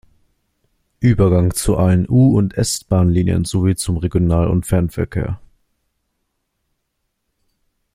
Übergang zu allen U- und S-Bahnlinien sowie zum Regional- und Fernverkehr.